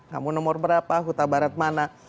kamu nomor berapa huta barat mana